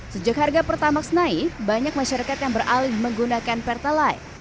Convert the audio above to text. sejak harga pertamax naik banyak masyarakat yang beralih menggunakan pertalite